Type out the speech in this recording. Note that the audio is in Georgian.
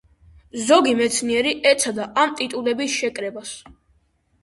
ზოგი მეცნიერი ეცადა ამ ტიტულების შეკრებას.